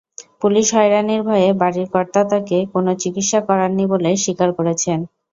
পুলিশি হয়রানির ভয়ে বাড়ির কর্তা তাকে কোনো চিকিৎসা করাননি বলে স্বীকার করেছেন।